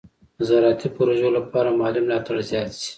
د زراعتي پروژو لپاره مالي ملاتړ زیات شي.